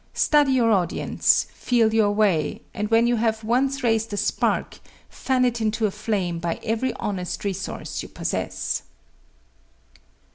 Study your audience, feel your way, and when you have once raised a spark, fan it into a flame by every honest resource you possess.